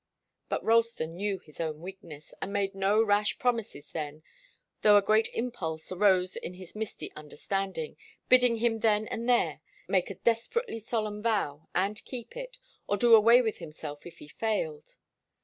But Ralston knew his own weakness, and made no rash promises then, though a great impulse arose in his misty understanding, bidding him then and there make a desperately solemn vow, and keep it, or do away with himself if he failed.